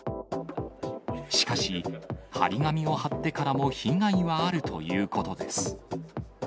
しかし、貼り紙を貼ってからも被害はあるということです。